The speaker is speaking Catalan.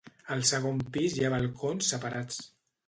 Al segon pis hi ha balcons separats.